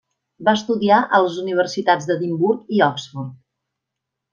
Va estudiar a les Universitats d'Edimburg i Oxford.